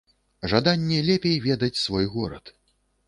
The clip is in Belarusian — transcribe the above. Жаданне лепей ведаць свой горад!